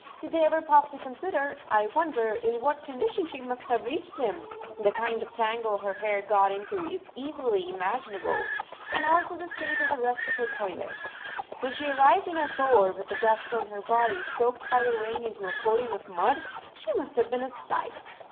Did they ever pause to consider, I wonder, in what condition she must have reached him? The kind of tangle her hair got into is easily imaginable, and also the state of the rest of her toilet. When she arrived in her bower with the dust on her body soaked by the rain into a coating of mud, she must have been a sight!